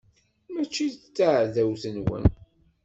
Mačči d taɛdawt-nwen.